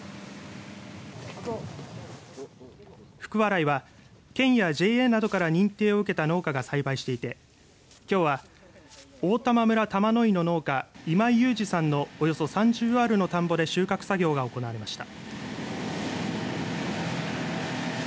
福、笑いは県やＪＡなどから認定を受けた農家が栽培していてきょうは大玉村玉井の農家今井雄治さんのおよそ３０アールの田んぼで収穫作業が行われました。